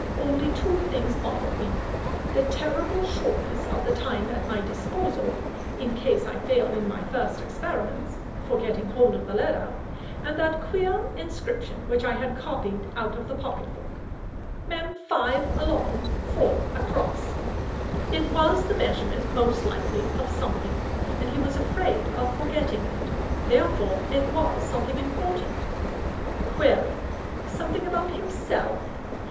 Only two things bothered me; the terrible shortness of the time at my disposal, in case I failed in my first experiments, for getting hold of the letter, and that queer inscription which I had copied out of the pocketbook: "MEM. 5 ALONG. 4 ACROSS." It was the measurement most likely of something, and he was afraid of forgetting it; therefore it was something important. Query something about himself?